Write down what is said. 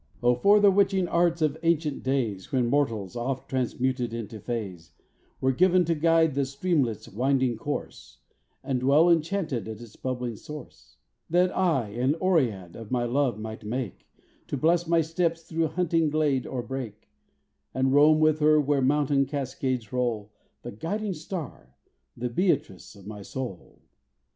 Oh, for the witching arts of ancient days, When mortals, oft transmuted into fays, Were given to guide the streamlet's winding course, And dwell enchanted at its bubbling source, That I an Oread of my love might make, To bless my steps through hunting glade or brake, And roam with her where mountain cascades roll, The guiding star, the Beatrice of my soul.